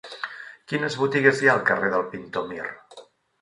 Quines botigues hi ha al carrer del Pintor Mir?